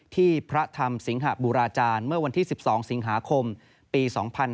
พระธรรมสิงหบุราจารย์เมื่อวันที่๑๒สิงหาคมปี๒๕๕๙